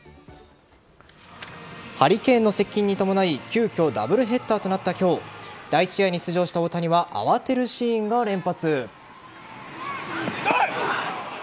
ハリケーンの接近に伴い急きょダブルヘッダーとなった今日第１試合に出場した大谷は慌てるシーンが連発。